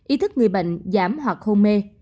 ý thức người bệnh giảm hoặc hôn mê